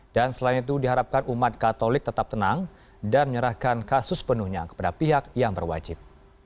dan selain itu diharapkan umat katolik tetap tenang dan menyerahkan kasus penuhnya kepada pihak yang berwajib